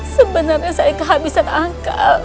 sebenarnya saya kehabisan angka